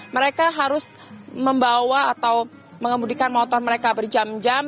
mereka harus membawa atau mengemudikan motor mereka berjam jam